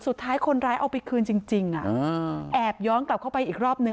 สุดท้ายคนร้ายเอาไปคืนจริงแอบย้อนกลับเข้าไปอีกรอบหนึ่ง